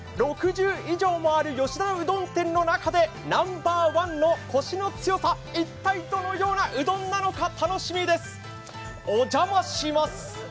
６０以上も吉田のうどん店の中でナンバーワンのコシの強さ一体、どのようなうどんなのか楽しみです、お邪魔します。